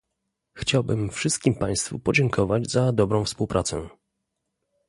Chciałbym wszystkim państwu podziękować za dobrą współpracę